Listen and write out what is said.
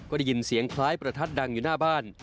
ก็ได้ยินเสียงคล้ายประทัดดังอยู่หน้าบ้าน